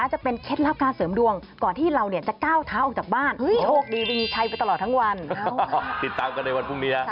จะเป็นเคล็ดรับการเสริมดวงก่อนที่เราเนี่ยจะก้าวท้าออกจากบ้าน